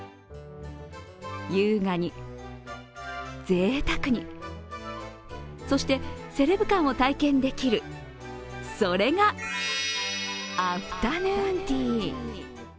優雅に、ぜいたくに、そしてセレブ感を体験できる、それが、アフタヌーンティー。